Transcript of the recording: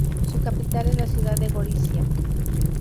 Su capital es la ciudad de Gorizia.